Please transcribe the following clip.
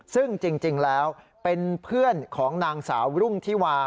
ซึ่งจริงแล้วเป็นเพื่อนของนางสาวรุ่งธิวา